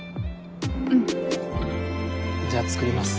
うん！じゃあ作ります。